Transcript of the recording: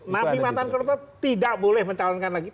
nabi matan kertutak tidak boleh mencalonkan lagi